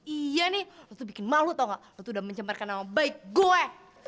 iya nih lo tuh bikin malu tau gak lo tuh udah mencemarkan nama baik gue